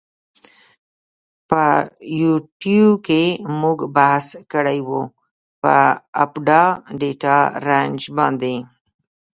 په یوټیو کی مونږ بحث کړی وه په آپډا ډیټا رنج باندی.